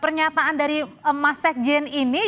pernyataan dari mas sekjen ini